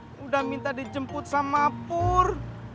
apa udah minta dijemput sama pur